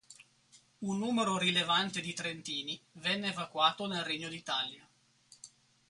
Un numero rilevante di trentini venne evacuato nel Regno d'Italia.